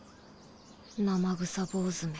生臭坊主め